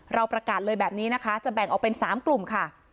เราประกาศเลยแบบนี้นะคะจะแบ่งออกเป็น๓กลุ่มค่ะ